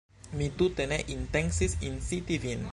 Mi tute ne intencis inciti Vin!